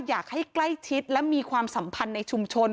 อยากให้ใกล้ชิดและมีความสัมพันธ์ในชุมชน